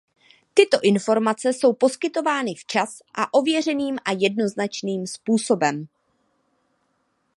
Tyto informace jsou poskytovány včas a otevřeným a jednoznačným způsobem.